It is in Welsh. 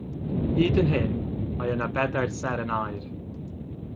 Hyd yn hyn, mae yna bedair seren aur.